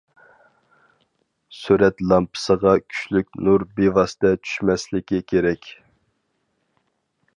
سۈرەت لامپىسىغا كۈچلۈك نۇر بىۋاسىتە چۈشمەسلىكى كېرەك.